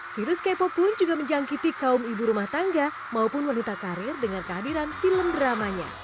virus k pop pun juga menjangkiti kaum ibu rumah tangga maupun wanita karir dengan kehadiran film dramanya